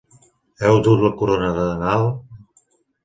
Heu dut la corona de Nadal?